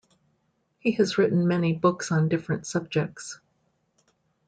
He has written many books on different subjects.